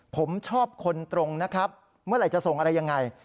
ผมชอบคนตรงนะครับเมื่อไหร่จะส่งอะไรยังไง